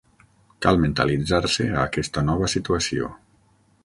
Cal mentalitzar-se a aquesta nova situació.